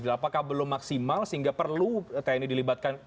apakah belum maksimal sehingga perlu tni dilibatkan